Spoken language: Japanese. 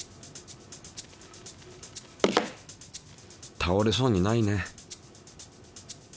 たおれそうにないね。